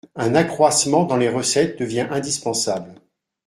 Un accroissement dans les recettes devient indispensable.